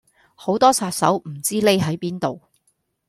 好多殺手唔知匿喺邊度